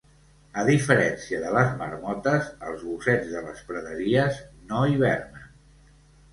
A diferència de les marmotes, els gossets de les praderies no hibernen.